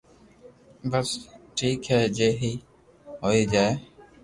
بس ٺيڪ ھي جي ھي ھوئي ليئي